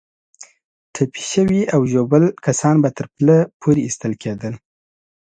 ټپي شوي او ژوبل کسان به تر پله پورې ایستل کېدل.